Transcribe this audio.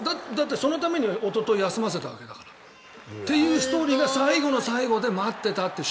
そのためにおととい休ませたわけだから。っていうストーリーが最後の最後で待っていたという。